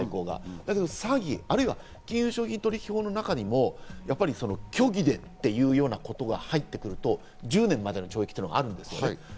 だけど詐欺、金融商品取引法の中にも虚偽でということが入ってくると１０年までの懲役があるんです。